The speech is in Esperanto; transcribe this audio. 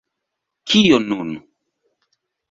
Kio nun?